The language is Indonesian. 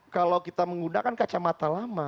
kalau kita menggunakan kacamata lama